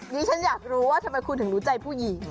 นี่ฉันอยากรู้ว่าทำไมคุณถึงรู้ใจผู้หญิง